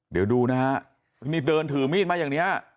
เดี๋ยวดูนะฮะนี่เดินถือมีดมาอย่างนี้